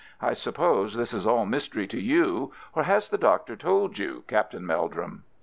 I suppose this is all mystery to you, or has the Doctor told you, Captain Meldrum?"